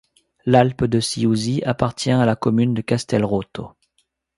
L'Alpe de Siusi appartient à la commune de Castelrotto.